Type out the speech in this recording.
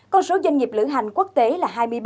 con số doanh nghiệp lữ hành quốc tế là hai mươi ba